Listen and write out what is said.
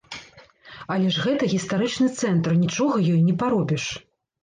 Але ж гэта гістарычны цэнтр, нічога ёй не паробіш.